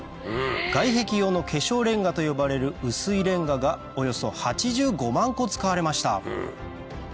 外壁用の化粧れんがと呼ばれる薄いれんががおよそ８５万個使われました